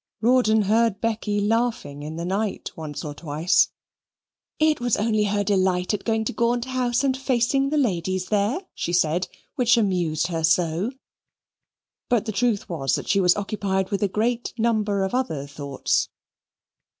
Rawdon heard Becky laughing in the night once or twice. It was only her delight at going to Gaunt House and facing the ladies there, she said, which amused her so. But the truth was that she was occupied with a great number of other thoughts.